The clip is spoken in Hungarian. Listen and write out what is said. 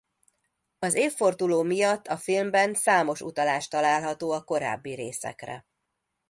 Az évforduló miatt a filmben számos utalás található a korábbi részekre.